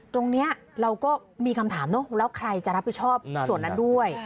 ตรงนี้เราก็มีคำถามเนอะแล้วใครจะรับผิดชอบส่วนนั้นด้วย